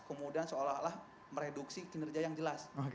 kemudian seolah olah mereduksi kinerja yang jelas